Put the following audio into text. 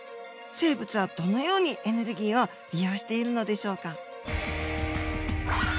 生物はどのようにエネルギーを利用しているのでしょうか。